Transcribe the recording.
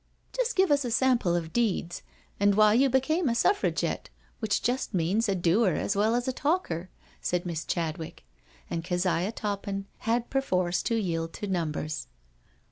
" Just give us a sample of deeds — ^and why you be came a 'Suffragette, which just means a doer as well as a talker," said Miss Chadwick. And Keziah Toppin had perforce to yield to numbers.